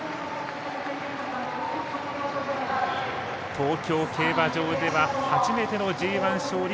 東京競馬場では初めてのＧＩ勝利。